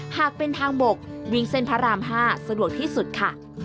หากเป็นทางบกวิ่งเส้นพระราม๕สะดวกที่สุดค่ะ